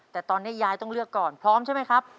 แต่ตอนนี้ยายต้องเลือกก่อนพร้อมใช่ไหมครับ